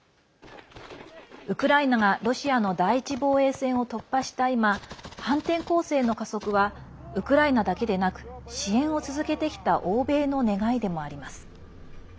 ウクライナがロシアの第１防衛線を突破した今反転攻勢の加速はウクライナだけでなく支援を続けてきた欧米の願いでもあります。